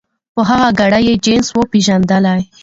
په هغه ګړي یې جنس وو پیژندلی